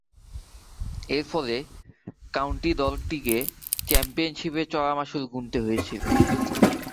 এরফলে কাউন্টি দলটিকে চ্যাম্পিয়নশীপে চড়া মাশুল গুণতে হয়েছিল।